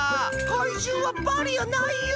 かいじゅうはバリアーないユー！